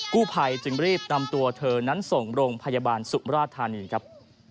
กู้ภัยจึงรีบนำตัวเธอนั้นส่งโรงพยาบาลสุมราชธานีครับ